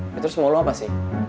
ya terus mau lo apa sih